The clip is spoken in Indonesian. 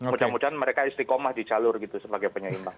mudah mudahan mereka istiqomah di jalur gitu sebagai penyeimbang